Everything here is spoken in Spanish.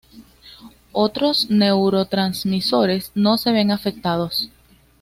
Otros neurotransmisores no se ven afectados.